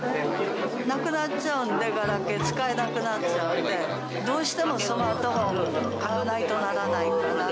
なくなっちゃうんで、ガラケー、使えなくなっちゃうんで、どうしてもスマートフォン買わないとならないから。